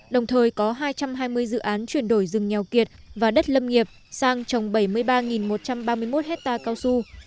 đồng thời có hai trăm hai mươi dự án chuyển đổi rừng nghèo kiệt và đất lâm nghiệp sang trồng bảy mươi ba một trăm ba mươi một hectare cao su